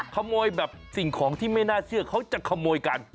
ขโมยแบบสิ่งของที่ไม่น่าเชื่อเขาจะขโมยกัน